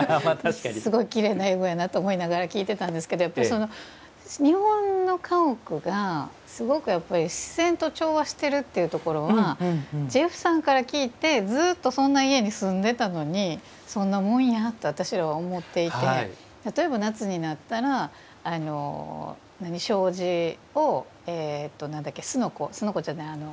すごいきれいな英語やなと思いながら聞いてたんですけど日本の家屋がすごく自然と調和しているというところはジェフさんから聞いてずっとそんな家に住んでたのにそんなもんやって私らは思っていて例えば夏になったら障子を、すのこ。